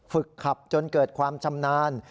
ฝึกขับจนเกิดความชำนาญ